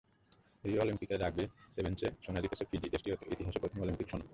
Rio অলিম্পিকের rugby সেভেনসে সোনা জিতেছে ফিজি, দেশটির ইতিহাসে প্রথম অলিম্পিক সোনা।